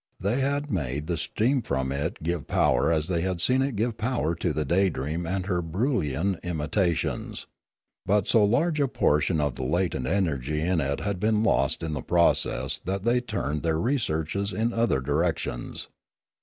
They had made the steam from it give power as they had seen it give power to the Daydream and her Broolyian imitations. But so large a propor tion of the latent energy in it had been lost in the process that they turned their researches in other directions.